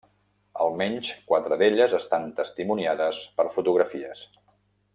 Almenys quatre d'elles estan testimoniades per fotografies.